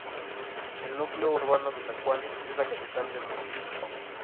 El núcleo urbano de San Juan es la capital del municipio.